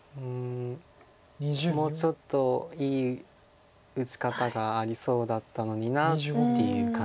もうちょっといい打ち方がありそうだったのになっていう感じだと思います。